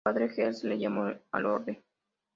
Su padre Jerjes la llamó al orden.